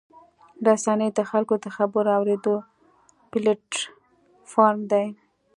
رسنۍ د خلکو د خبرو اورېدو پلیټفارم دی.